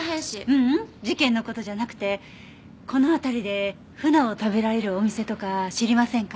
ううん事件の事じゃなくてこの辺りで鮒を食べられるお店とか知りませんか？